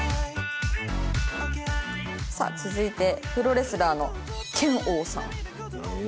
さあ続いてプロレスラーの拳王さん。